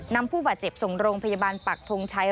ผู้บาดเจ็บส่งโรงพยาบาลปักทงชัย